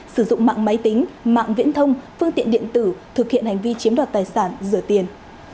sử dụng mạng máy tính mạng viễn thông phương tiện điện tử thực hiện hành vi chiếm đoạt tài sản rửa tiền